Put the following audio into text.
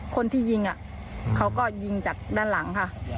คนที่ยิงเขาก็ยิงจากด้านหลังค่ะ